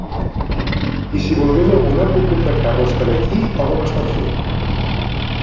I si volgués alguna puc contractar-les per aquí o com es pot fer?